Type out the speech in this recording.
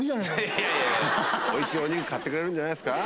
おいしいお肉買ってくれるんじゃないですか？